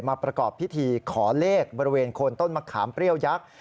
ประกอบพิธีขอเลขบริเวณโคนต้นมะขามเปรี้ยวยักษ์